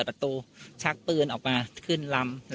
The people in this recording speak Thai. แซ็คเอ้ยเป็นยังไงไม่รอดแน่